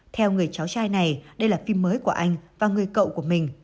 theo người cháu trai này đây là phim mới của anh và người cậu của mình